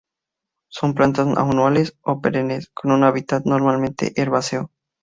Son plantas anuales o perennes con un hábitat normalmente herbáceo.